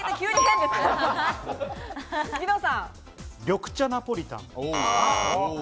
緑茶ナポリタン。